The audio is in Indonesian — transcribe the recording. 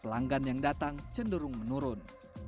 pelanggan yang datang cenderung menurun